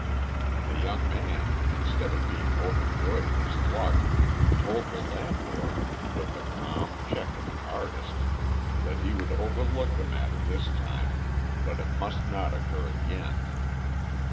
The young man, instead of being overjoyed at his luck, told the landlord, with the calm cheek of an artist, that he would overlook the matter this time, but it must not occur again.